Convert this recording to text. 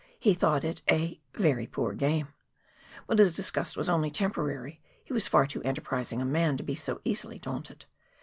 He thought it a "Very poor game." But his disgust was only temporary, he was far too enterprising a man to be so easily daunted.